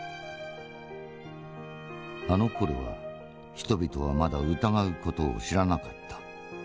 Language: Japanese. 「あのころは人々はまだ疑う事を知らなかった。